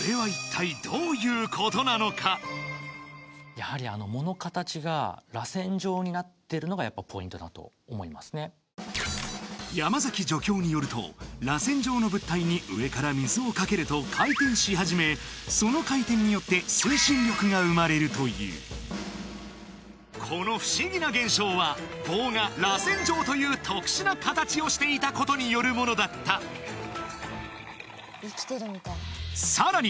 やはりあのだと思いますね山崎助教によるとらせん状の物体に上から水をかけると回転し始めその回転によって推進力が生まれるというこの不思議な現象は棒がらせん状という特殊な形をしていたことによるものだったさらに